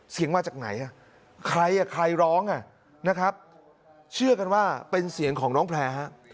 เสียงมาจากไหนใครร้องนะครับเชื่อกันว่าเป็นเสียงของน้องแพร่ฮะ